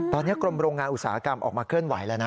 ตอนนี้กรมโรงงานอุตสาหกรรมออกมาเคลื่อนไหวแล้วนะ